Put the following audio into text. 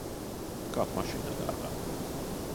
Kāp mašīnā, dārgā.